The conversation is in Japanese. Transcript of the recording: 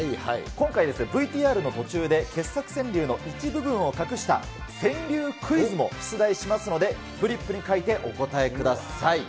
今回ですね、ＶＴＲの途中で傑作川柳の一部分を隠した川柳クイズも出題しますので、フリップに書いてお答えください。